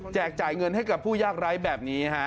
แจกจ่ายเงินให้กับผู้ยากร้ายแบบนี้